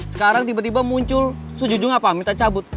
sekarang tiba tiba muncul sejujung apa minta cabut